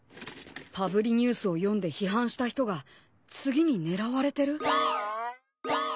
パブリニュースを読んで批判した人が次に狙われてる？あっ。